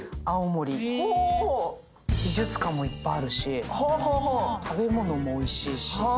美術館もいっぱいあるし食べ物もおいしいし。